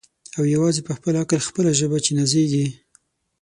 او یوازي په خپل عقل خپله ژبه چي نازیږي